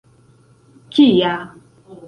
kia